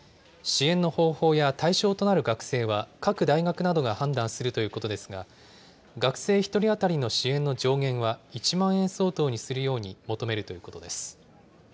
支援の方法や対象となる学生は各大学などが判断するということですが、学生１人当たりの支援の上限は１万円相当にするように求めるということです。